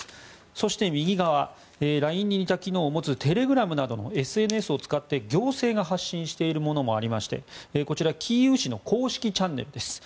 そして右側、ＬＩＮＥに似た機能を持つテレグラムなどのＳＮＳを使って、行政が発信しているものもありましてこちらキーウ市の公式チャンネルです。